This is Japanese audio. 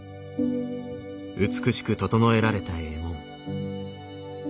美しく整えられた衣紋。